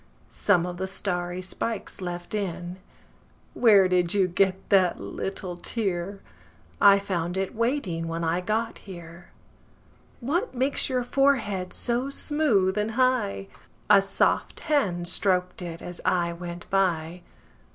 Some of the starry spikes left in. Where did you get that little tear?I found it waiting when I got here. What makes your forehead so smooth and high?A soft hand strok'd it as I went by.